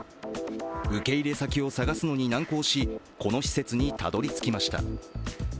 受け入れ先を探すのに難航し、この施設にたどり着きました。